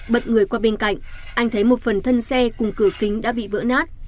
bật người qua bên cạnh anh thấy một phần thân xe cùng cửa kính đã bị vỡ nát